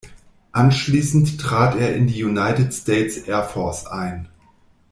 Anschließend trat er in die United States Air Force ein.